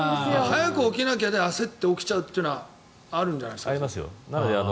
早く起きなきゃというので焦って起きちゃうということもあるんじゃない？あります。